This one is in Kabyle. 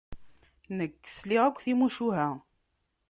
Nekk sliɣ akk timucuha.